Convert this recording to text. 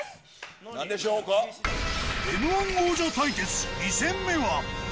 Ｍー１王者対決２戦目は。